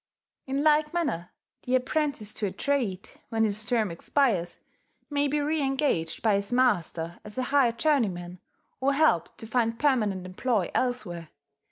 In like manner the apprentice to a trade, when his term expires, may be reengaged by his master as a hired journeyman, or helped to find permanent employ elsewhere.